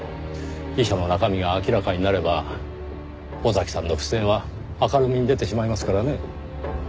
遺書の中身が明らかになれば尾崎さんの不正は明るみに出てしまいますからね。